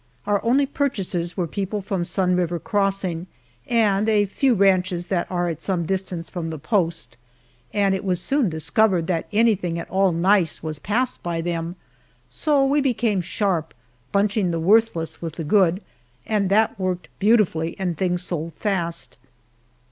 Our only purchasers were people from Sun River Crossing, and a few ranches that are some distance from the post, and it was soon discovered that anything at all nice was passed by them, so we became sharp bunching the worthless with the good and that worked beautifully and things sold fast.